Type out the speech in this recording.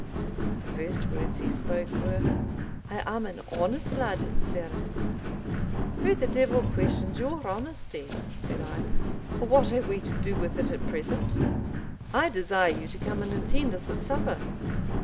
The first words he spoke were, "I am an honest lad, sir." "Who the devil questions your honesty?" said I, "or what have we to do with it at present? I desire you to come and attend us at supper."